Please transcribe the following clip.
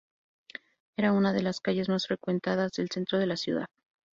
Era una de las calles más frecuentadas del centro de la ciudad.